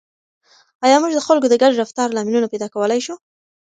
آیا موږ د خلکو د ګډ رفتار لاملونه پیدا کولای شو؟